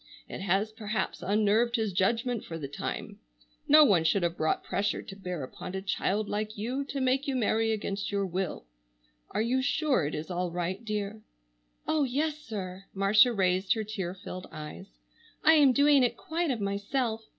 It has perhaps unnerved his judgment for the time. No one should have brought pressure to bear upon a child like you to make you marry against your will. Are you sure it is all right, dear?" "Oh, yes, sir!" Marcia raised her tear filled eyes. "I am doing it quite of myself.